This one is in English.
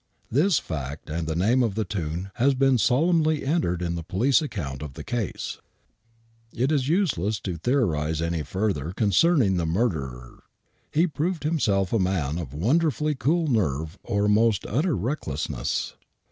This fact and the name of the tune has been solemnly entered in the police account of the case. It is useless to theorize any further concerning the murderer. He proved himself a man of wonderfully cool nerve or most utter recklessness.